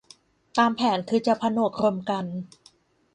ตามแผนคือจะผนวกรวมกัน